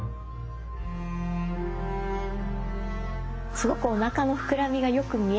すごくおなかの膨らみがよく見える。